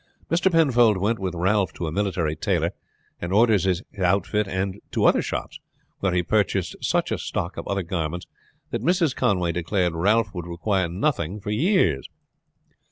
Mr. Penfold went with Ralph to a military tailor and ordered his outfit, and to other shops, where he purchased such a stock of other garments that Mrs. Conway declared Ralph would require nothing for years.